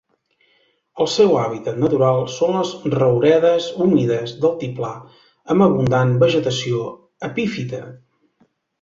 El seu hàbitat natural són les rouredes humides d'altiplà amb abundant vegetació epífita.